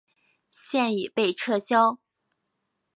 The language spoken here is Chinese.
现已被撤销。